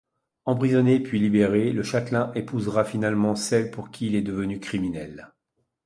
Emprisonné puis libéré, le châtelain épousera finalement celle pour qui il est devenu criminel.